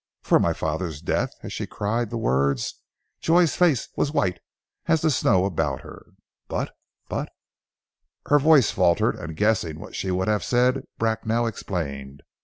"For my father's death?" as she cried the words Joy's face was white as the snow about her. "But but " Her voice faltered, and guessing what she would have said, Bracknell explained.